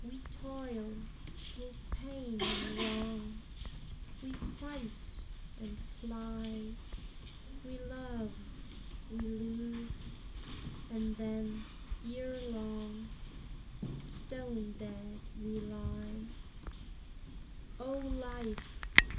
We toil through pain and wrong; We fight and fly; We love; we lose; and then, ere long, Stone dead we lie, O life!